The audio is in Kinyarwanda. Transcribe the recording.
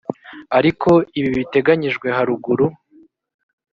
ariko ibi biteganyijwe haruguru